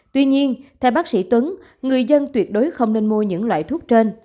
tuy nhiên theo bác sĩ tuấn người dân tuyệt đối không nên mua những loại thuốc trên